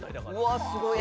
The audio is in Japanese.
うわっすごい。